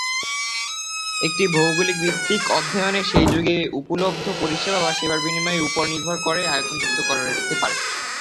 একটি ভৌগোলিক ভিত্তিক অধ্যয়নে সেই যুগে উপলব্ধ পরিষেবা বা সেবার বিনিময়ের উপর নির্ভর করে আয়তন যুক্ত করতে পারে।